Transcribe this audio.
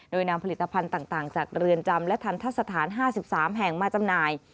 โดยนำผลิตภัณฑ์ต่างจากเรือนจำและทันทะสถาน๕๓แห่งมาจำหน่าย